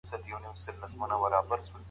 چي ته مزاج د سپيني آیینې لرې که نه